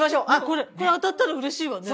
これ当たったら嬉しいわね。